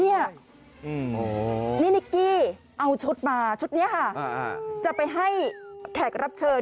นี่นิกกี้เอาชุดมาชุดนี้ค่ะจะไปให้แขกรับเชิญ